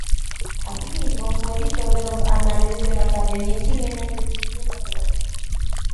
Asimismo, fue editor de los Anales de la Academia Chilena de Ciencias Naturales.